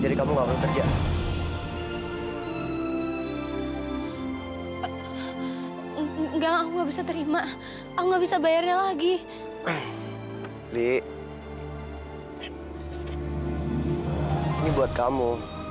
ini buat kamu